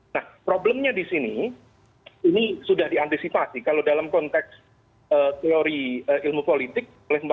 nah problemnya di sini ini sudah diantisipasi kalau dalam konteks teori ilmu politik